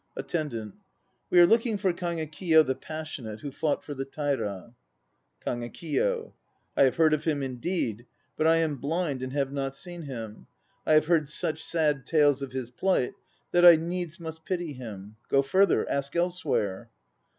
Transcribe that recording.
ATTENDANT. We are loking for Kagekiyo the Passionate who fought for the Taira. KAGEKIYO. I have heard of him indeed. But I am blind, and have not seen him. I have heard such sad tales of his plight that I needs must pity him. Go further; ask elsewhere.